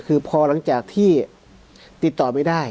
คือพอหลังจากที่ติดต่อไม่ได้